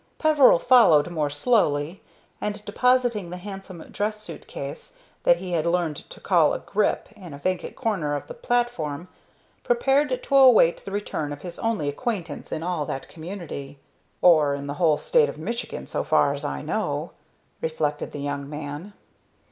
Peveril followed more slowly, and, depositing the handsome dress suit case that he had learned to call a "grip" in a vacant corner of the platform, prepared to await the return of his only acquaintance in all that community, "or in the whole State of Michigan, so far as I know," reflected the young man.